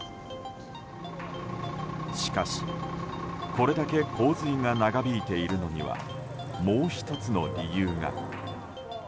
しかし、これだけ洪水が長引いているのにはもう１つの理由が。